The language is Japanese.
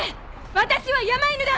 私は山犬だ！